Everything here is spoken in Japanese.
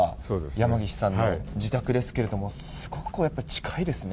山岸さんの自宅ですけどもすごく近いですね。